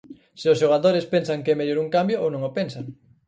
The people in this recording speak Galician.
Se os xogadores pensan que é mellor un cambio ou non o pensan.